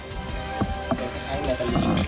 ปิดตลอดไปนะครับ